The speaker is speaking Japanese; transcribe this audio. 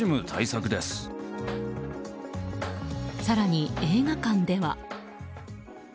更に映画館では。